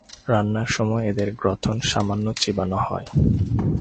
রান্নার সময় এদের গ্রথন সামান্য চিবানো হয়।